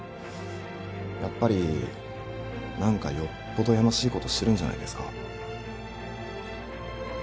やっぱり何かよっぽどやましいことしてるんじゃないですか？